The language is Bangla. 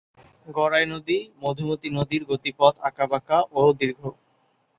গড়াই নদী-মধুমতী নদীর গতিপথ আঁকাবাঁকা ও দীর্ঘ।